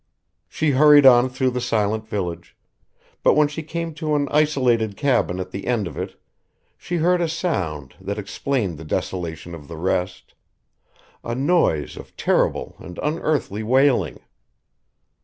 She hurried on through the silent village, but when she came to an isolated cabin at the end of it she heard a sound that explained the desolation of the rest; a noise of terrible and unearthly wailing.